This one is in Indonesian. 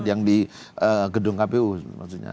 yang di gedung kpu maksudnya